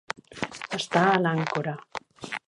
Estar a l'àncora.